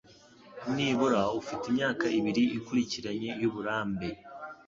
nibura ufite imyaka ibiri ikurikiranye y uburambe